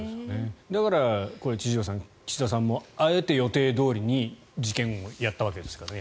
だから千々岩さん岸田さんもあえて予定どおりに事件後、やったわけですからね。